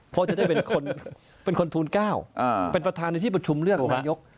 เพราะจะได้เป็นคนทูล๙เป็นประธานในที่ประชุมเลือกนายก